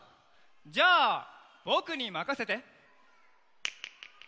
じゃあぼくにまかせて。